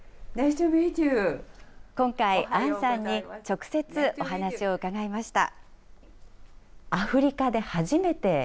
今回、アンさんに直接お話を伺いました。